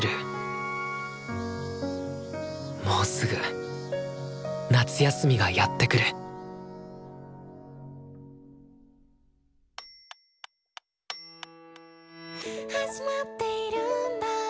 もうすぐ夏休みがやってくる「始まっているんだ